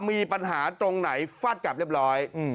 มีปัญหาตรงไหนฟาดกลับเรียบร้อย